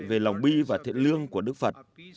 về lòng bi và thiện lương của đức phật